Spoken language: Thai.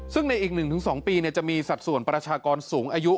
ซึ่งในอีก๑๒ปีจะมีสัดส่วนประชากรสูงอายุ